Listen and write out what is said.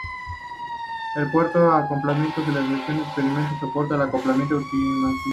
El puerto de acoplamiento de la sección de experimentos soporta acoplamiento automatizado.